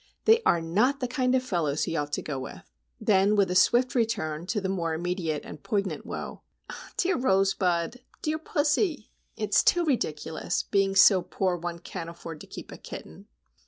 They are not the kind of fellows he ought to go with." Then, with a swift return to the more immediate and poignant woe,—"Dear Rosebud! dear pussy! It's too ridiculous,—being so poor one can't afford to keep a kitten!"